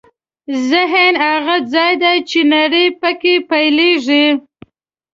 ذهن هغه ځای دی چې نړۍ پکې پیلېږي.